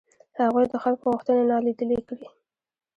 هغوی د خلکو غوښتنې نالیدلې کړې.